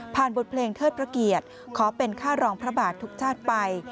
บทเพลงเทิดพระเกียรติขอเป็นค่ารองพระบาททุกชาติไป